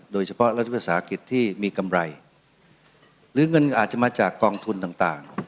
โดยเฉพาะรัฐภาษาอังกฤษที่มีกำไรหรือเงินอาจจะมาจากกองทุนต่าง